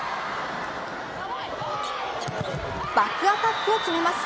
バックアタックを決めます。